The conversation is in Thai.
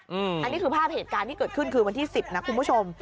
อันนี้คือภาพเหตุการณ์ที่เกิดขึ้นคือวันที่๑๐นะคุณผู้ชม